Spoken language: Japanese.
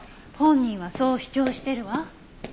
本人はそう主張してるわ。